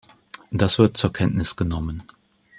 Das wird zur Kenntnis genommen.